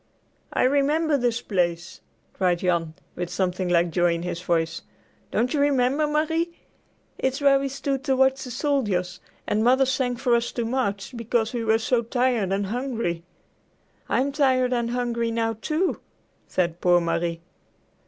"I remember this place;" cried Jan, with something like joy in his voice. "Don't you remember, Marie? It's where we stood to watch the soldiers, and Mother sang for us to march, because we were so tired and hungry." "I'm tired and hungry now, too," said poor Marie.